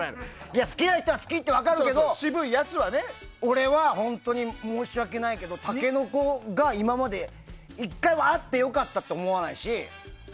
好きな人は好きって分かるけど俺は、本当に申し訳ないけどタケノコが今まで１回もあってよかったと思わないし。